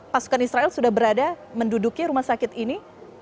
pasukan israel sudah berada menduduki rumah sakit ini